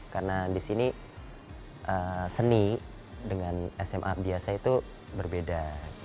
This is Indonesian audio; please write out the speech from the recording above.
karena di sini seni dengan sma biasa itu berbeda